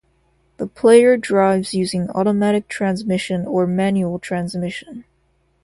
The player drives using automatic transmission or manual transmission.